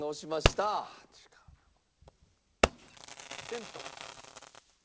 テント。